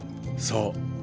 そう。